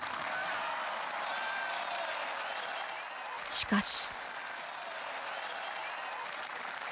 しかし。